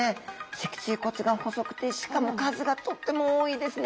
脊椎骨が細くてしかも数がとっても多いですね。